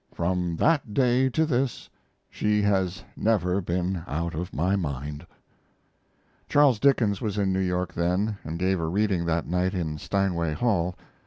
From that day to this she has never been out of my mind." Charles Dickens was in New York then, and gave a reading that night in Steinway Hall.